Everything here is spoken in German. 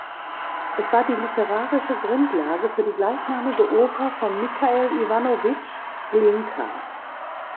Es war die literarische Grundlage für die gleichnamige Oper von Michail Iwanowitsch Glinka.